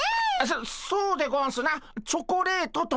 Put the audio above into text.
そそうでゴンスなチョコレートとか。